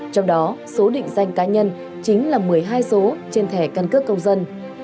trong đó số định danh cá nhân chính là một mươi hai số trên thẻ căn cước công dân